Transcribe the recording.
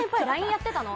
ＬＩＮＥやってたの？